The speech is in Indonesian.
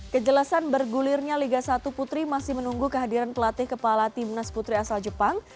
kejelasan bergulirnya liga satu putri masih menunggu kehadiran pelatih kepala timnas putri asal jepang